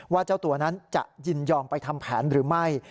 เจ้าตัวนั้นจะยินยอมไปทำแผนหรือไม่